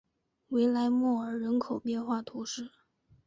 维莱莫尔人口变化图示